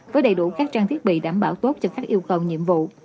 với đầy đủ các trang thiết bị đảm bảo tốt cho các yêu cầu nhiệm vụ